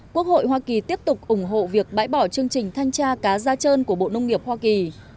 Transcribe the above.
quốc hội hoa kỳ tiếp tục ủng hộ việc bãi bỏ chương trình thanh tra cá da trơn của bộ nông nghiệp hoa kỳ